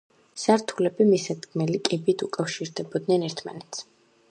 სართულები მისადგმელი კიბით უკავშირდებოდნენ ერთმანეთს.